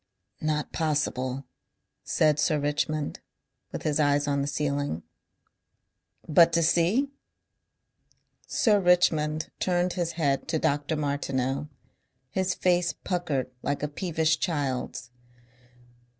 "Not possible," said Sir Richmond, with his eyes on the ceiling. "But to see?" Sir Richmond turned his head to Dr. Martineau. His face puckered like a peevish child's.